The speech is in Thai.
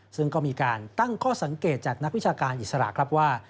ซึ่งก็มีการตั้งข้อสังเกตจากนักวิชาการอิสระครับว่า